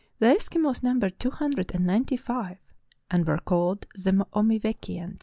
The Eskimos numbered two hundred and ninety five and were called the Omivekkians.